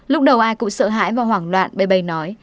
lúc đầu ai cũng sợ hãi và hoảng loạn bầy bầy nói